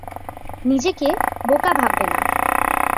নিজেকে বোকা ভাববে না।